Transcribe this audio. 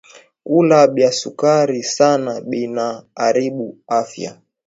Kula bya sukari sana bina aribu afya